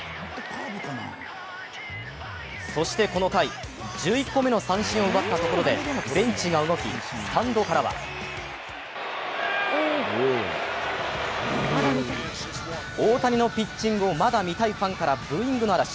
そしてこの回、１１個目の三振を奪ったところでベンチが動き、スタンドからは大谷のピッチングをまだ見たいファンからブーイングの嵐。